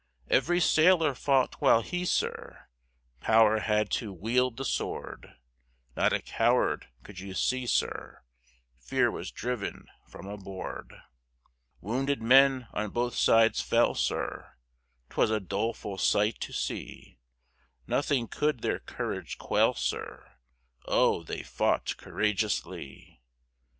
Every Sailor fought while he, Sir, Power had to wield the Sword, Not a Coward could you see, Sir, Fear was driven from aboard; Wounded Men on both Sides fell, Sir, 'Twas a doleful Sight to see, Nothing could their Courage quell, Sir, O, they fought courageously.